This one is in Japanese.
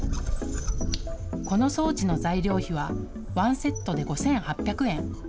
この装置の材料費はワンセットで５８００円。